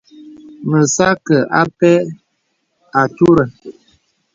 Mə̀ sə̄ akɛ̄ apɛ àturə.